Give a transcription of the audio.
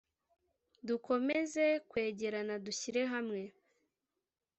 dukomeze kwegerana dushyire hamwe